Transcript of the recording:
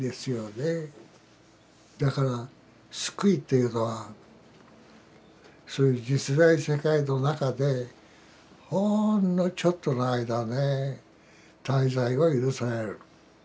だから救いというのはそういう実在世界の中でほんのちょっとの間ね滞在を許される。